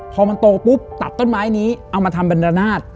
พอมันโตปุ๊บตัดต้นไม้นี้เอามาทำเป็นระนาด